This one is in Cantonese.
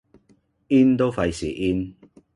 in 都費事 in